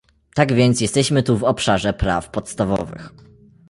Tak więc jesteśmy tu w obszarze praw podstawowych